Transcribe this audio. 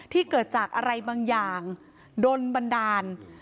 เกิดจากอะไรบางอย่างโดนบันดาล